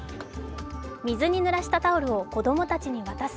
水にぬらしたタオルを子供たちに渡す